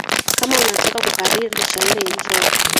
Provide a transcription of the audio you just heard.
Kama unataka kukariri shairi njoo.